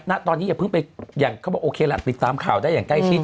ณตอนนี้อย่าเพิ่งไปอย่างเขาบอกโอเคล่ะติดตามข่าวได้อย่างใกล้ชิด